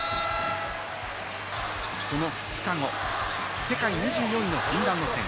その２日後、世界２４位のフィンランド戦。